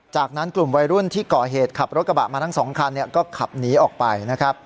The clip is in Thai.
จากนั้นกลุ่มวัยรุ่นที่ก่อเหตุขับรถกระบะมาทั้งสองคันก็ขับหนีออกไปนะครับ